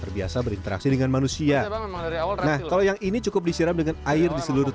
terbiasa berinteraksi dengan manusia nah kalau yang ini cukup disiram dengan air di seluruh